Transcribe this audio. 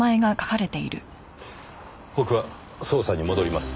僕は捜査に戻ります。